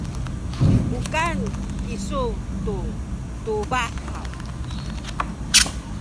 mukan kisu tu tubah haw?